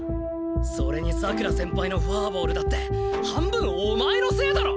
それに佐倉先輩のフォアボールだって半分お前のせいだろ！